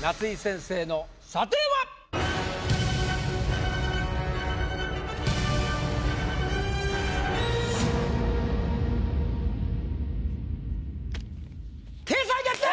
夏井先生の査定は⁉掲載決定！